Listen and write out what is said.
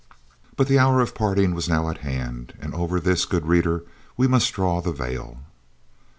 But the hour of parting was now at hand and over this, good reader, we must draw the veil.